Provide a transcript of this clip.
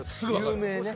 有名ね。